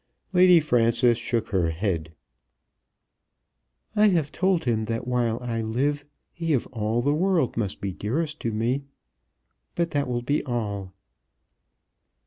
Lady Frances shook her head. "I have told him that while I live he of all the world must be dearest to me. But that will be all."